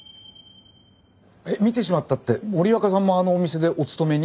えっ見てしまったって森若さんもあのお店でお勤めに？